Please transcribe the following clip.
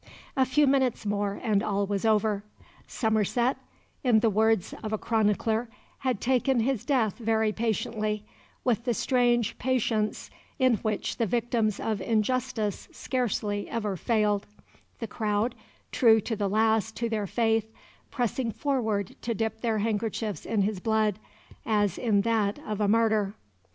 A few minutes more and all was over. Somerset, in the words of a chronicler, had taken his death very patiently with the strange patience in which the victims of injustice scarcely ever failed; the crowd, true to the last to their faith, pressing forward to dip their handkerchiefs in his blood, as in that of a martyr.